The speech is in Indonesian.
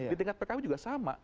di tingkat pkb juga sama